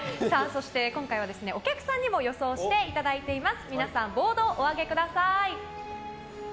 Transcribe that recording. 今回はお客さんにも予想していただいてます。